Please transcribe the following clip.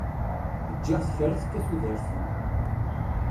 Giɣ-t kra tekka tudert-iw.